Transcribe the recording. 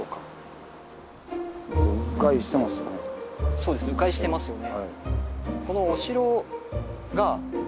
そうですね迂回してますよね。